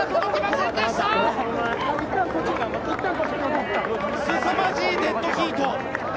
すさまじいデッドヒート。